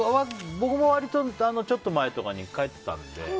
僕も割とちょっと前とかに帰ったんで。